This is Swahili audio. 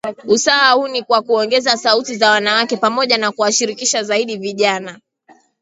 Usawa huu ni kwa kuongeza sauti za wanawake, pamoja na kuwashirikisha zaidi vijana